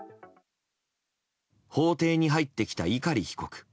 法廷に入ってきた碇被告。